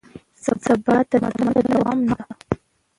ثبات د تمدن د دوام نښه ده.